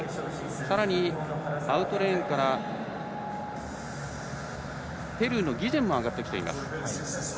さらにアウトレーンからペルーのギジェンも上がってきています。